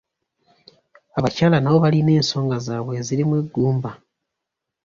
Abakyala n’abo balina ensonga zaabwe ezirimu eggumba.